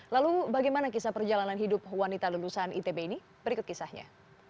lalu bagaimana kisah perjalanan hidup wanita lulusan itb ini berikut kisahnya